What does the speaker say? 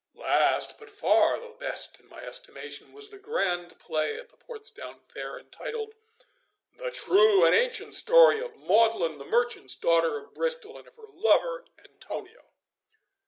Last, but far the best in my estimation, was the grand play at the Portsdown Fair, entitled 'The true and ancient story of Maudlin, the merchant's daughter of Bristol, and of her lover Antonio.